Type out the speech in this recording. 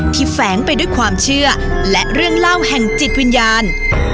แฝงไปด้วยความเชื่อและเรื่องเล่าแห่งจิตวิญญาณ